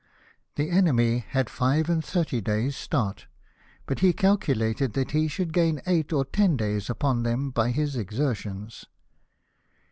The enemy had five and thirty days' start, but hu calculated that he should gain eight or ten days upon them by his exertions.